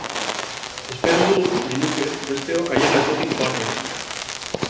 Espero dut, nahi nuke, besteok haien atzetik joatea!